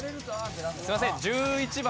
すいません１１番。